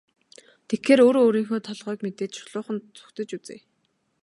Тэгэхээр өөрөө өөрийнхөө толгойг мэдээд шулуухан зугтаж үзье.